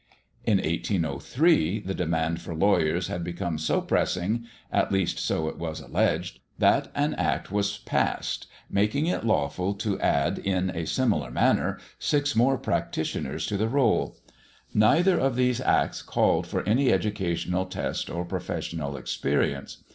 In 1803 the demand for lawyers had become so pressing—at least so it was alleged—that an Act was passed making it lawful to add in a similar manner six more practitioners to the roll. Neither of these Acts called for any educational test or professional experience.